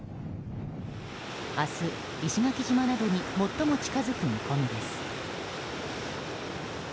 明日、石垣島などに最も近づく見込みです。